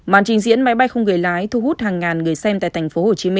màn trình diễn máy bay không người lái thu hút hàng ngàn người xem tại tp hcm